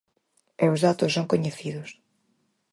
E os datos son coñecidos.